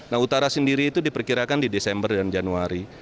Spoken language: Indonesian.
nah utara sendiri itu diperkirakan di desember dan januari